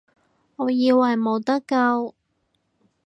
我以為冇得救